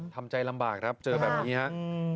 ทำใจลำบากครับเจอแบบนี้ฮะ